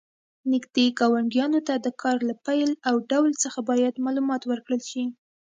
نږدې ګاونډیانو ته د کار له پیل او ډول څخه باید معلومات ورکړل شي.